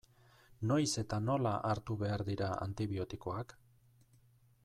Noiz eta nola hartu behar dira antibiotikoak?